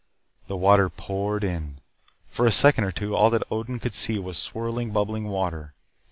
The water poured in. For a second or two, all that Odin could see was swirling bubbling water.